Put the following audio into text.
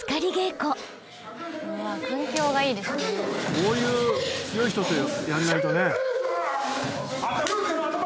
こういう強い人とやんないとね。